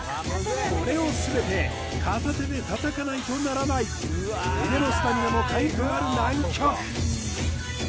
これを全て片手で叩かないとならない腕のスタミナも鍵となる難曲